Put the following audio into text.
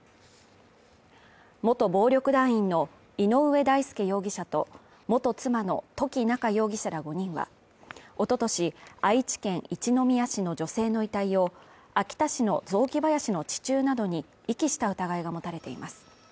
元暴力団員の井上大輔容疑者と元妻の土岐菜夏容疑者ら５人は、おととし、愛知県一宮市の女性の遺体を秋田市の雑木林の地中などに遺棄した疑いが持たれています。